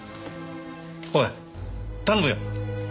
おい頼むよ。